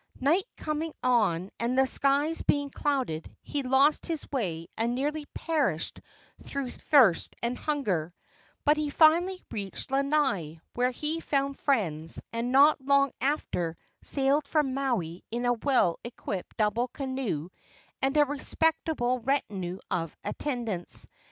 Night coming on and the skies being clouded, he lost his way and nearly perished through thirst and hunger; but he finally reached Lanai, where he found friends, and not long after sailed for Maui in a well equipped double canoe and a respectable retinue of attendants.